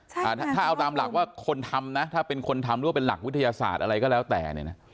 ถ้าเอาตามหลักว่าคนทำนะถ้าเป็นคนทำหรือว่าเป็นหลักวิทยาศาสตร์อะไรก็แล้วแต่เนี่ยนะ